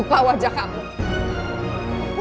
bu kalau jalan itu hati hati dong bu